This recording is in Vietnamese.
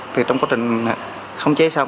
thì trong quá trình không chế xong